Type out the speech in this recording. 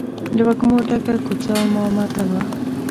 له وږمو ډکه کوڅه او مامته وه.